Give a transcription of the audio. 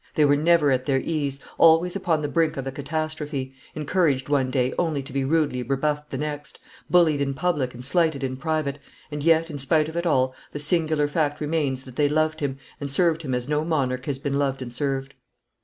They were never at their ease, always upon the brink of a catastrophe, encouraged one day only to be rudely rebuffed the next, bullied in public and slighted in private, and yet, in spite of it all, the singular fact remains that they loved him and served him as no monarch has been loved and served.